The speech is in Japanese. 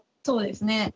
そうですね。